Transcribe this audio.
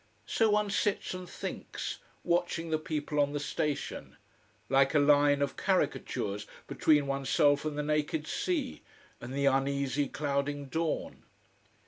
So one sits and thinks, watching the people on the station: like a line of caricatures between oneself and the naked sea and the uneasy, clouding dawn.